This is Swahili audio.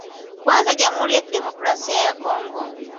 Kwanza Jamhuri ya Kidemokrasia ya Congo